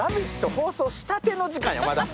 放送してたての時間よ。